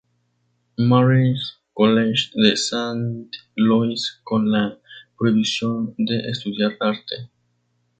Mary's College de Saint Louis con la prohibición de estudiar arte.